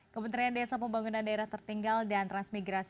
kementerian desa pembangunan daerah tertinggal dan transmigrasi